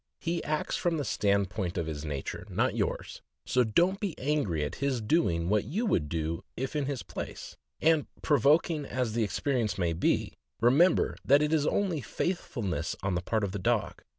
He acts from the stand point of his nature, not yours, so don't be angry at his doing what you would do if in his place; and, provoking as the expe rience may be, remember that it is only faithfulness on the part of the dog.